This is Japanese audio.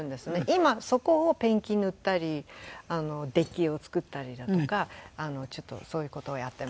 今そこをペンキ塗ったりデッキを作ったりだとかちょっとそういう事をやってます。